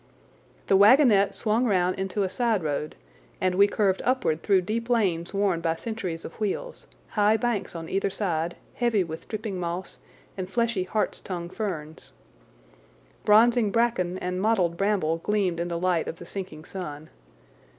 The wagonette swung round into a side road, and we curved upward through deep lanes worn by centuries of wheels, high banks on either side, heavy with dripping moss and fleshy hart's tongue ferns. Bronzing bracken and mottled bramble gleamed in the light of the sinking sun.